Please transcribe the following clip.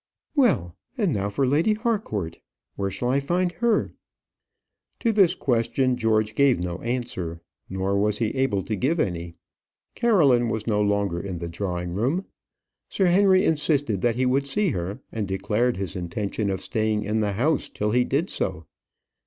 "Well; and now for Lady Harcourt. Where shall I find her?" To this question George gave no answer; nor was he able to give any. Caroline was no longer in the drawing room. Sir Henry insisted that he would see her, and declared his intention of staying in the house till he did so.